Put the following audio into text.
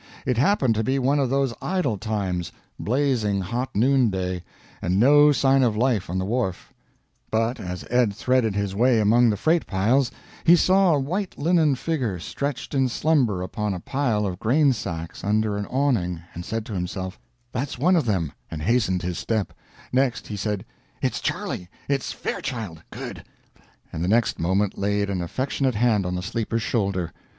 It happened to be one of those idle times. Blazing hot noonday, and no sign of life on the wharf. But as Ed threaded his way among the freight piles, he saw a white linen figure stretched in slumber upon a pile of grain sacks under an awning, and said to himself, "That's one of them," and hastened his step; next, he said, "It's Charley it's Fairchild good"; and the next moment laid an affectionate hand on the sleeper's shoulder.